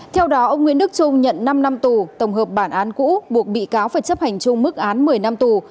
theo đó ông nguyễn đức trung nhận năm năm tù tổng hợp bản án cũ buộc bị cáo phải chấp hành chung mức án một mươi năm tù